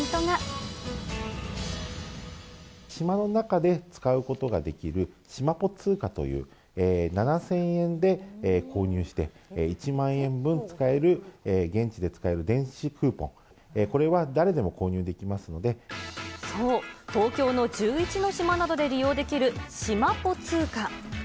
島の中で使うことができる、しまぽ通貨という、７０００円で購入して１万円分使える、現地で使える電子クーポン、そう、東京の１１の島などで利用できる、しまぽ通貨。